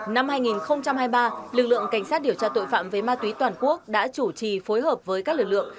năm hai nghìn hai mươi ba lực lượng cảnh sát điều tra tội phạm về ma túy toàn quốc đã chủ trì phối hợp với các lực lượng